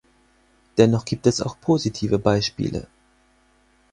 Dennoch gibt es auch positive Beispiele.